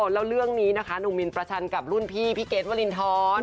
แล้วเรื่องนี้นะคะหนุ่มมินประชันกับรุ่นพี่พี่เกรทวรินทร